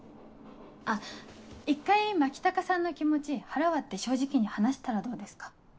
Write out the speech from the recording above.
あっ一回牧高さんの気持ち腹割って正直に話したらどうですか？